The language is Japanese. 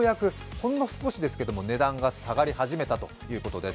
ほんの少しですけれども、値段が下がり始めたということです。